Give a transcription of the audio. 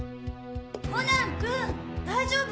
コナンくん大丈夫？